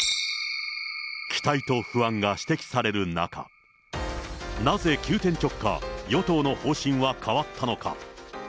期待と不安が指摘される中、なぜ急転直下、与党の方針は変わったのか。